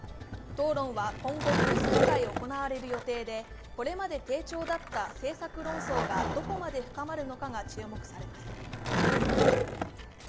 討論は今後、複数回行われる予定でこれまで低調だった政策論争がどこまで深まるのかが注目されます。